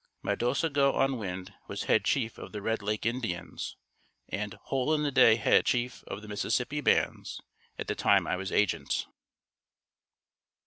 Ma dosa go onwind was head chief of the Red Lake Indians and Hole in the day head chief of the Mississippi bands at the time I was agent.